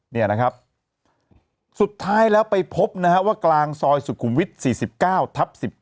นี่นะครับสุดท้ายแล้วไปพบนะฮะว่ากลางซอยสุขุมวิท๔๙ทับ๑๙